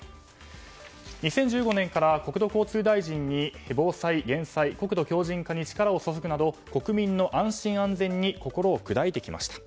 ２０１５年から国土交通大臣に防災・減災、国土強靭化に力を注ぐなど国民の安心・安全に心を砕いてきました。